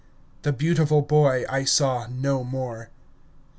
The beautiful boy I saw no more.